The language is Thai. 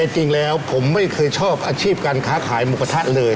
จริงแล้วผมไม่เคยชอบอาชีพการค้าขายหมูกระทะเลย